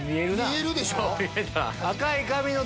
見えるでしょ？